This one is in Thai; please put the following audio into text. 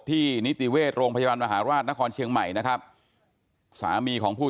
นิติเวชโรงพยาบาลมหาราชนครเชียงใหม่นะครับสามีของผู้